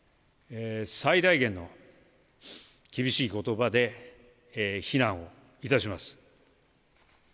最大限の厳しいことばで非難をいたします。